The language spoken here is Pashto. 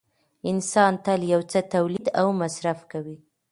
انسان تل یو څه تولید او مصرف کوي